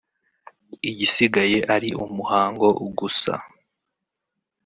igisigaye ari umuhango gusa